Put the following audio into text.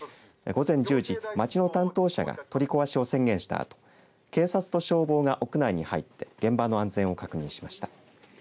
午前１０時、町の担当者が取り壊しを宣言したあと警察と消防が屋内に入って現場の安全を確認しました。